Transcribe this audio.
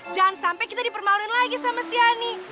jangan sampai kita dipermaluin lagi sama si hany